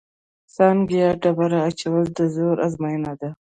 سانګه یا ډبره اچول د زور ازموینه ده.